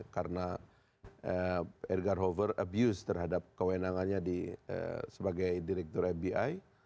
karena edgar hoover abuse terhadap kewenangannya sebagai direktur fbi